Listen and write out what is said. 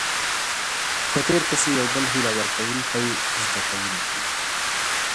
په تير پسې يو بل هيله ورکوونکۍ زده کوونکي